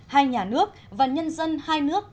hai nhà nước và nhân dân hai nước